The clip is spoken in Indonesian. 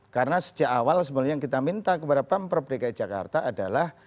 karena sejak awal sebenarnya yang kita minta kepada pemprov dki jakarta adalah